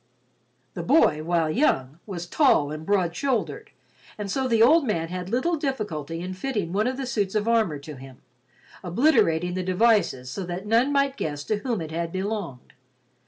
The boy, while young, was tall and broad shouldered, and so the old man had little difficulty in fitting one of the suits of armor to him, obliterating the devices so that none might guess to whom it had belonged.